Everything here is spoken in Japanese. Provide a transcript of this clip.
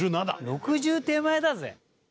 ６０手前だぜ。